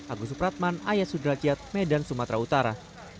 agus supratman ayat sudrajat medan sumatera utara